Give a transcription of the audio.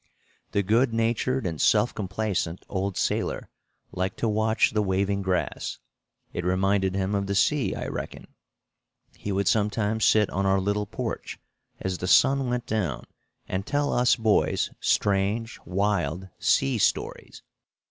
The good natured and self complacent old sailor liked to watch the waving grass. It reminded him of the sea, I reckon. He would sometimes sit on our little porch as the sun went down and tell us boys strange, wild sea stories.